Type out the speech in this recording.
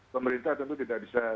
pemerintah tentu tidak bisa